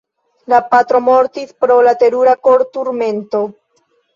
La patro mortis pro la terura korturmento.